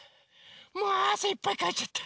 もうあせいっぱいかいちゃった。